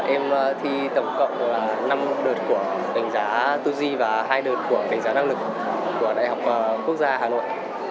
em thi tổng cộng năm đợt của cảnh giá tu di và hai đợt của cảnh giá năng lực của đại học quốc gia hà nội